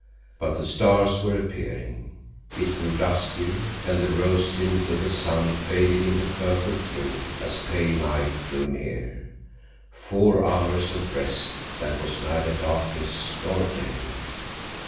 But the stars were appearing. It grew duskier, and the rose tint of the sun faded into purple gloom as pale night drew near—four hours of rest that was neither darkness nor day.